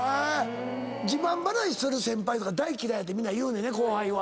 自慢話する先輩が大嫌いやてみんな言うねんね後輩は。